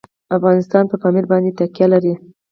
افغانستان په پامیر باندې تکیه لري.